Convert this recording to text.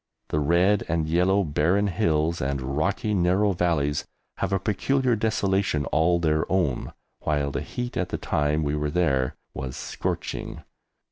The red and yellow barren hills and rocky narrow valleys have a peculiar desolation all their own, while the heat at the time we were there was scorching.